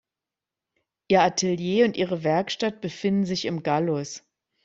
Ihr Atelier und ihre Werkstatt befinden sich im Gallus.